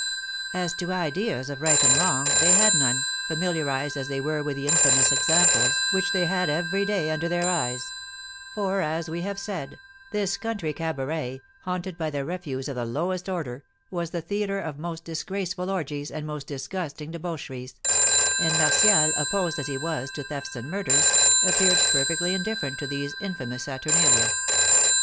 As to ideas of right and wrong, they had none, familiarised as they were with the infamous examples which they had every day under their eyes; for, as we have said, this country cabaret, haunted by the refuse of the lowest order, was the theatre of most disgraceful orgies and most disgusting debaucheries; and Martial, opposed as he was to thefts and murders, appeared perfectly indifferent to these infamous saturnalia.